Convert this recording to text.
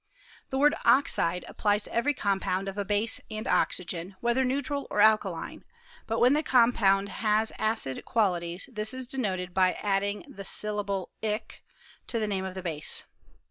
The word ojvide applies to every compound of abase and oxygen, whether neutral or alkaline ; but when the compound has acid qualities this is denoted by adding thesyllabletc to the name of the base.